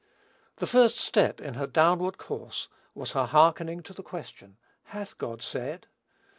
The first step in her downward course was her hearkening to the question, "Hath God said?"